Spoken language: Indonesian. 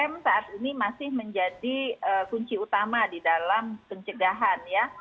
tiga m saat ini masih menjadi kunci utama di dalam pencegahan ya